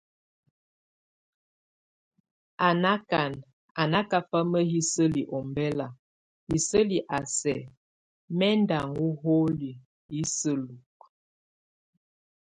A nákan a nákafama hiseli ombɛla, hiseli a sɛk mɛ́ ndʼ aŋo holi, isejuk.